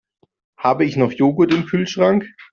Habe ich noch Joghurt im Kühlschrank?